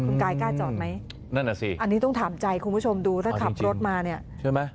คุณกายกล้าจอดไหมนั่นอ่ะสิอันนี้ต้องถามใจคุณผู้ชมดูถ้าขับรถมาเนี่ยใช่ไหม